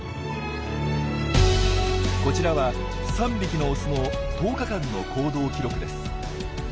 こちらは３匹のオスの１０日間の行動記録です。